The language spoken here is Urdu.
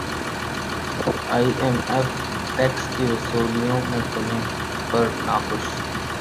ئی ایم ایف ٹیکس کی وصولیوں میں کمی پر ناخوش